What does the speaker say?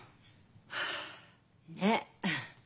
はあねっ？